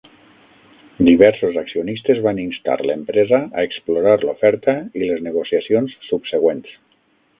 Diversos accionistes van instar l'empresa a explorar l'oferta i les negociacions subsegüents.